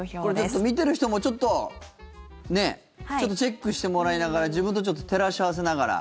これ、見ている人もちょっとチェックしてもらいながら自分と照らし合わせながら。